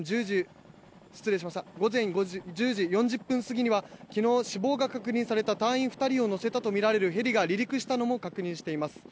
午前１０時４０分過ぎには昨日死亡が確認された隊員２人を乗せたとみられるヘリが離陸したのも確認しています。